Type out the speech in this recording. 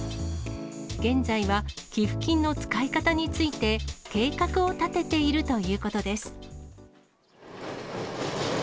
現在は寄付金の使い方について、計画を立てているということです。